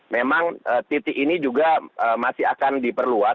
memang titik ini juga masih akan diperluas